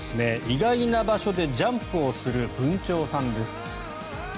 意外な場所でジャンプをするブンチョウさんです。